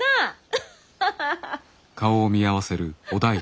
アッハハハ！